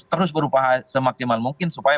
terus berupaya semaksimal mungkin supaya